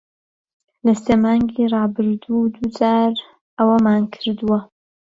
لە سێ مانگی ڕابردوو، دوو جار ئەوەمان کردووە.